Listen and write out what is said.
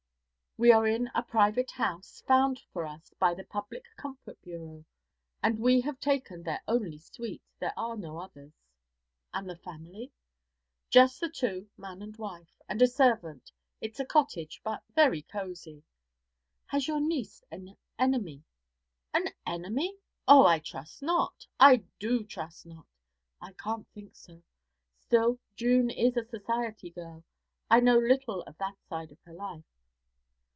We are in a private house, found for us by the Public Comfort Bureau, and we have taken their only suite; there are no others.' 'And the family?' Just the two, man and wife, and a servant. It's a cottage, but very cosy.' 'Has your niece an enemy?' 'An enemy? Oh, I trust not! I do trust not! I can't think so. Still, June is a society girl; I know little of that side of her life.'